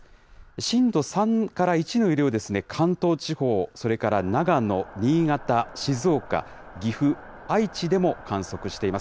震度３から１の揺れを関東地方、それから長野、新潟、静岡、岐阜、愛知でも観測しています。